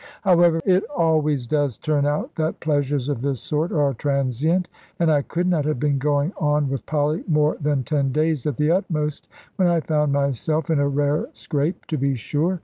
However it always does turn out that pleasures of this sort are transient; and I could not have been going on with Polly more than ten days at the utmost, when I found myself in a rare scrape, to be sure.